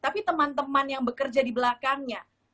tapi teman teman yang bekerja di belakangnya